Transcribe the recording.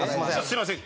すみません。